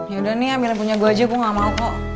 yaudah nih amil punya gue aja gue gak mau kok